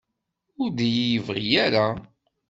Ur d-iyi-yebɣi ara?